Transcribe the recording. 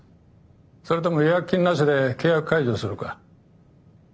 それとも違約金なしで契約解除するか。